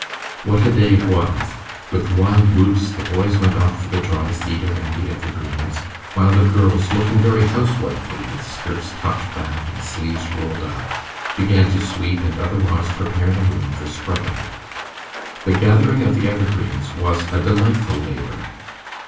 What a day it was! With wild whoops the boys went off for the dry cedar and the evergreens, while the girls, looking very housewifely with skirts tucked back and sleeves rolled up, began to sweep and otherwise prepare the room for scrubbing. The gathering of the evergreens was a delightful labor.